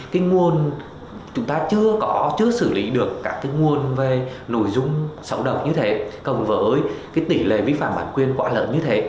vì chúng ta chưa xử lý được các nội dung xấu độc như thế cộng với tỷ lệ vi phạm bản quyền quá lớn như thế